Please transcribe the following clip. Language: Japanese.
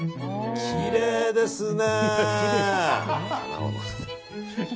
きれいですね！